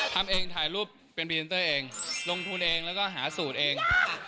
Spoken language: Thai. ทำเองถ่ายรูปเป็นส่วนผู้บุญลงทุนเองแล้วก็หาสูตรเอง